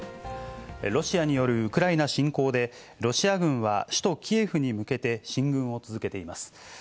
ロシアによるウクライナ侵攻で、ロシア軍は首都キエフに向けて進軍を続けています。